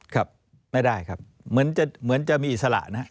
ครับไม่ได้ครับเหมือนจะมีอิสระนะครับ